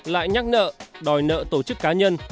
lại nhắc nợ đòi nợ tổ chức cá nhân